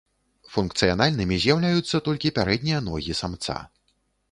Функцыянальнымі з'яўляюцца толькі пярэднія ногі самца.